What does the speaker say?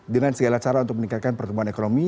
dengan segala cara untuk meningkatkan pertumbuhan ekonomi